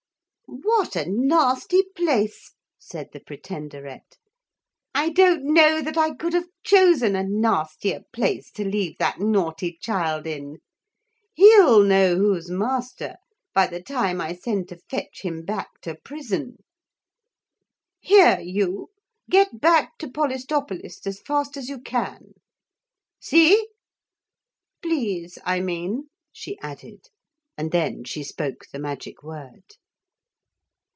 'What a nasty place,' said the Pretenderette; 'I don't know that I could have chosen a nastier place to leave that naughty child in. He'll know who's master by the time I send to fetch him back to prison. Here, you, get back to Polistopolis as fast as you can. See? Please, I mean,' she added, and then she spoke the magic word.